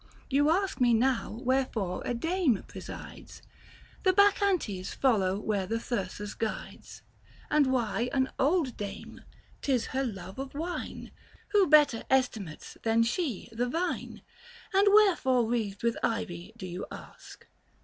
815 You ask me now wherefore a dame presides ? The Bacchantes follow where the Thyrsus guides. 96 THE FASTI. Book III. And why an old dame, 'tis her love of wine, Who better estimates than she, the vine ? And wherefore wreathed with ivy do you ask